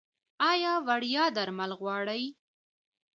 ایا وړیا درمل غواړئ؟